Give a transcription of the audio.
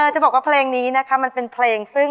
จะบอกว่าเพลงนี้นะคะมันเป็นเพลงซึ่ง